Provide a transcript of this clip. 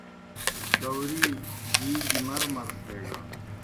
کاؤری گی گیْ مرمر تھیگان۔